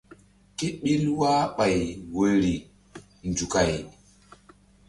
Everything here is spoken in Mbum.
Ké ɓil wahɓay woyri nzukay.